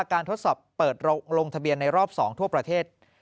ทดสอบเปิดลงทะเบียนในรอบ๒ทั่วประเทศ